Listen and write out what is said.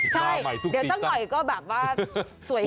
ใช่เดี๋ยวตั้งหน่อยก็แบบว่าสวยขึ้นเลย